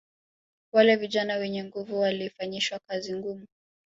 Wale vijana wenye nguvu walifanyishwa kazi ngumu